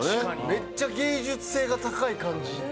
めっちゃ芸術性が高い感じ。